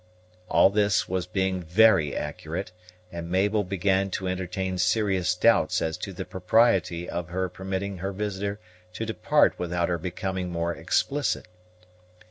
All this was being very accurate, and Mabel began to entertain serious doubts as to the propriety of her permitting her visitor to depart without her becoming more explicit.